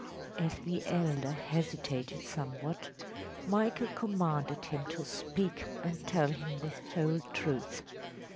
‚ÄĚ As the elder hesitated somewhat, Michael commanded him to speak and tell him the whole truth.